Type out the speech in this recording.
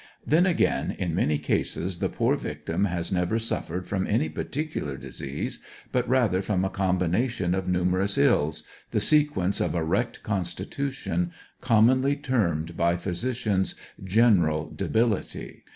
Then again in many cases the poor victim has never suffered from any particular disease, but rather from a combination of numerous ills, the sequence of a wrecked constitution commonly termed by 192 EX^PRISONERS AND PENSIONS. physicians, ''General Debility."